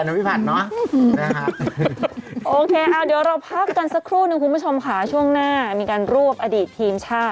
ราคากลางอยู่ที่เท่าไหร่แน่ค่ะ